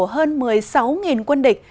hơn một mươi sáu quân địch